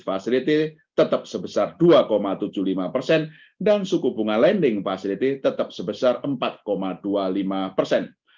facility tetap sebesar dua tujuh puluh lima persen dan suku bunga lending facility tetap sebesar empat dua puluh lima persen